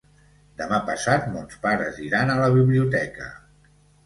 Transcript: Demà passat mons pares iran a la biblioteca.